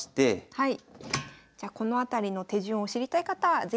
はい。